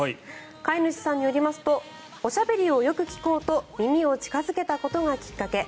飼い主さんによりますとおしゃべりをよく聞こうと耳を近付けたことがきっかけ